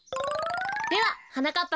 でははなかっ